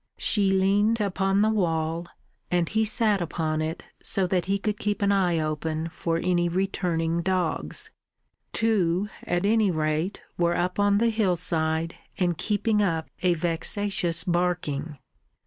She leant upon the wall, and he sat upon it so that he could keep an eye open for any returning dogs. Two, at any rate, were up on the hillside and keeping up a vexatious barking.